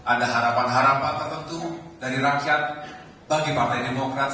ada harapan harapan tertentu dari rakyat bagi partai demokrat